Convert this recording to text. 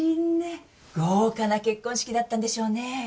豪華な結婚式だったんでしょうね。